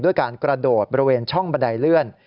การกระโดดบริเวณช่องบันไดเลื่อน